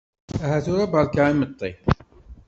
Aha tura barka imeṭṭi.